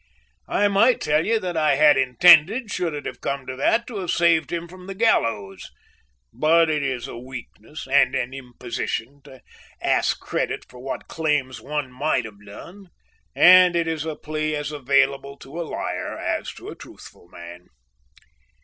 I might tell you that I had intended, should it have come to that, to have saved him from the gallows, but it is a weakness and an imposition to ask credit for what one claims one might have done, and it is a plea as available to a liar as to a truthful man.